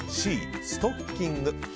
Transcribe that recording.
Ｃ、ストッキング。